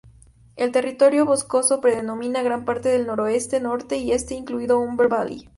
El territorio boscoso predomina gran parte del noroeste, norte y este, incluido Humber Valley.